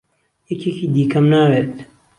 یەکێکی دیکەم ناوێت.